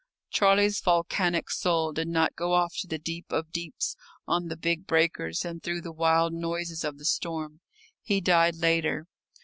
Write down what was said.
Charlie's volcanic soul did not go off to the deep of deeps on the big breakers and through the wild noises of the storm. He died later.